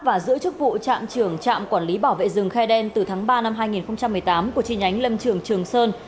và giữ chức vụ trạm trưởng trạm quản lý bảo vệ rừng khai đen từ tháng ba năm hai nghìn một mươi tám của chi nhánh lâm trường trường sơn